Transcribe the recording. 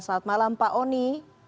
selamat malam pak oni